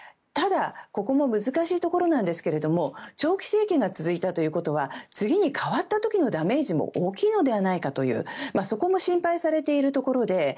ただ、ここも難しいところなんですけども長期政権が続いたということは次に変わった時のダメージも大きいのではないかというそこも心配されているところで。